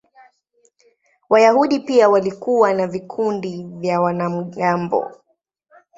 Wayahudi pia walikuwa na vikundi vya wanamgambo.